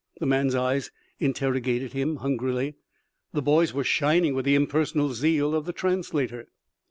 The man's eyes interrogated him, hungrily. The boy's were shining with the impersonal zeal of the translator.